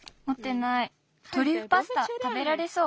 トリュフパスタたべられそう？